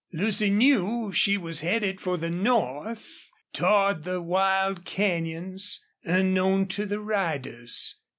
Lucy knew she was headed for the north, toward the wild canyons, unknown to the riders.